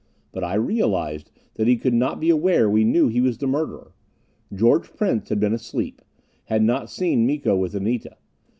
But I realized that he could not be aware we knew he was the murderer. George Prince had been asleep, had not seen Miko with Anita.